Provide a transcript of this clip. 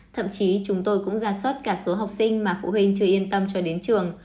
thậm chí chúng tôi cũng ra soát cả số học sinh mà phụ huynh chưa yên tâm cho đến trường